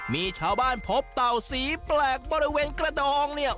มีชาวบ้านพบเต่าสีแปลกบริเวณกระดองเนี่ย